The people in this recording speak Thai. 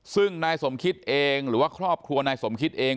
ซึ่งนายสมคิดเองหรือว่าครอบครัวนายสมคิดเอง